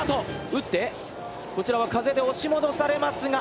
打って、こちらは風で押し戻されますが。